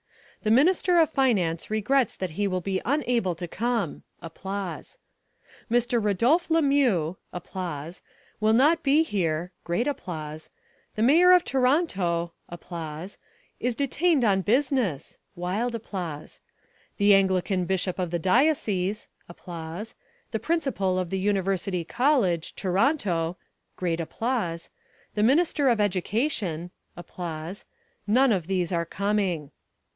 "The Minister of Finance regrets that he will be unable to come". "Mr. Rodolphe Lemieux will not be here (great applause) the Mayor of Toronto is detained on business (wild applause) the Anglican Bishop of the Diocese the Principal of the University College, Toronto (great applause) the Minister of Education none of these are coming."